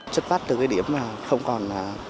xuất phát từ điểm không còn